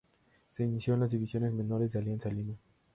Se inició en las divisiones menores de Alianza Lima.